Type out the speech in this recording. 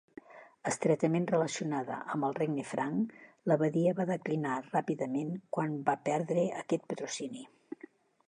Estretament relacionada amb el regne Franc, l'abadia va declinar ràpidament quan va perdre aquest patrocini.